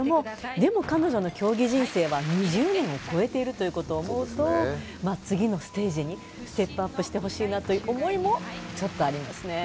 でも彼女の競技人生は２０年を超えてることを思うと、次のステージにステップアップしてほしいなという気持ちもちょっとあります。